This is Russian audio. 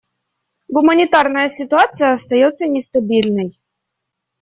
Гуманитарная ситуация остается нестабильной.